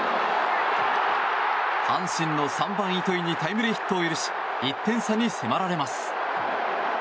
阪神の３番、糸井にタイムリーヒットを許し１点差に迫られます。